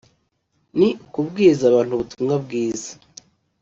ni ukubwiriza abantu ubutumwa bwiza